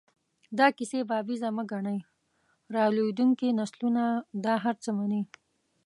دا کیسې بابیزه مه ګڼئ، را لویېدونکي نسلونه دا هر څه مني.